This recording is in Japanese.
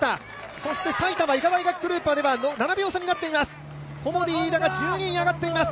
そして埼玉医科大学グループまでは７秒差となっています。